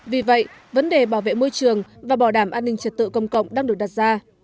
vì vậy vấn đề bảo vệ môi trường và bảo đảm an ninh trật tự công cộng đang được đặt ra